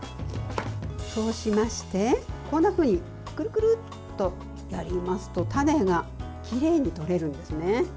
そうしまして、こんなふうにくるくるっとやりますと種がきれいに取れるんですね。